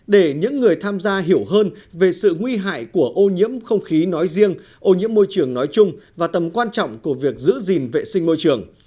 để những người tham gia hiểu hơn về sự nguy hại của ô nhiễm không khí nói riêng ô nhiễm môi trường nói chung và tầm quan trọng của việc giữ gìn vệ sinh môi trường